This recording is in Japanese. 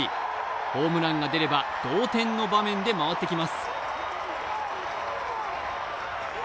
ホームランが出れば同点の場面で回ってきます。